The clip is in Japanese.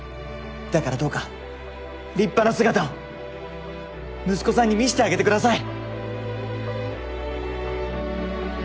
だからどうか立派な姿を息子さんに見せてあげてください！